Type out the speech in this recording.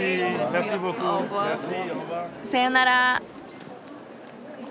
さよなら。